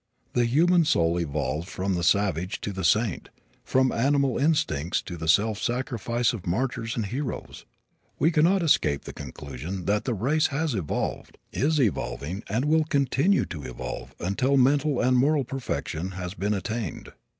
The human soul evolves from the savage to the saint from animal instincts to the self sacrifice of martyrs and heroes. We cannot escape the conclusion that the race has evolved, is evolving and will continue to evolve until mental and moral perfection has been attained.